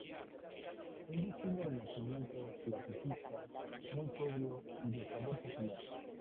Es de estilo renacimiento clasicista, muy sobrio y de sabor popular.